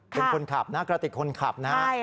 เป็นคนขับนะกระติกคนขับนะฮะ